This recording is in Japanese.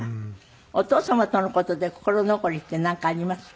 お父様との事で心残りってなんかありますか？